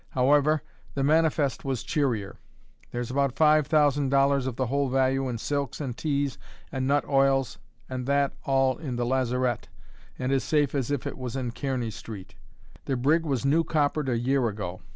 However, the manifest was cheerier. There's about five thousand dollars of the whole value in silks and teas and nut oils and that, all in the lazarette, and as safe as if it was in Kearney Street. The brig was new coppered a year ago.